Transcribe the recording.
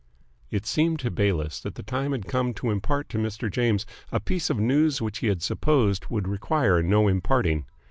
It seemed to Bayliss that the time had come to impart to Mr. James a piece of news which he had supposed would require no imparting.